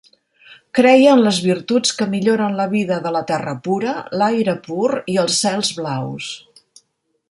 Creia en les virtuts que milloren la vida de la terra pura, l'aire pur i els cels blaus.